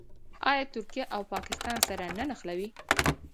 آیا ترکیه او پاکستان سره نه نښلوي؟